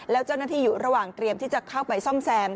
แล้วเจ้าหน้าที่อยู่ระหว่างเตรียมที่จะเข้าไปซ่อมแซม